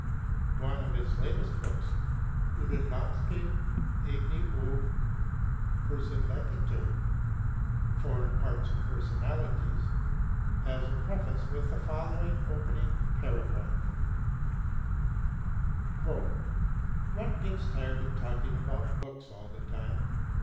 One of his latest books, 'Udenlandske Egne og Personligheder' (Foreign Parts and Personalities) has a preface with the following opening paragraph: "One gets tired of talking about books all the time.